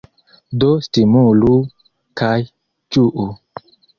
Do stimulu kaj ĝuu!